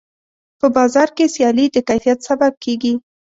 په بازار کې سیالي د کیفیت سبب کېږي.